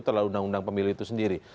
terhadap undang undang pemilu itu sendiri